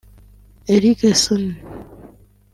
Erickson